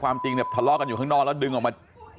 จริงเนี่ยทะเลาะกันอยู่ข้างนอกแล้วดึงออกมา